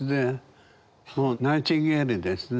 もうナイチンゲールですね。